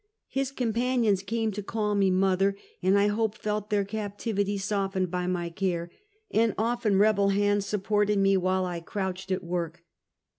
His companions came to call me " mother," and I hope felt their captivity softened by my care; and often rebel hands supported me while I crouched at work.